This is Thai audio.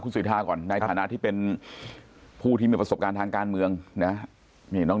คุณสุธาก่อนในฐานะที่เป็นผู้ที่มีประสบการณ์ทางการเมือง